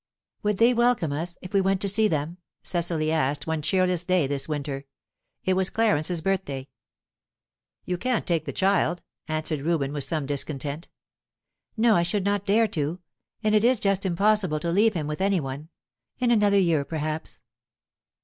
"Would they welcome us, if we went to see them?" Cecily asked, one cheerless day this winter it was Clarence's birthday. "You can't take the child," answered Reuben, with some discontent. "No; I should not dare to. And it is just as impossible to leave him with any one. In another year, perhaps."